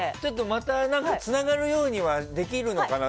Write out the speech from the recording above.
またつながるようにはできるのかな？